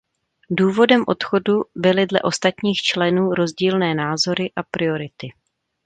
Důvodem odchodu byly dle ostatních členů rozdílné názory a priority.